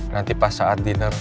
nanti pas saat diner